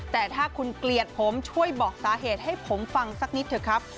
แต่ถ้าคุณเกลียดผมช่วยบอกสาเหตุให้ผมฟังสักนิดเถอะครับ